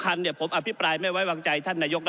ก็ได้มีการอภิปรายในภาคของท่านประธานที่กรกครับ